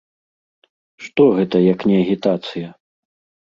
Што гэта, як не агітацыя?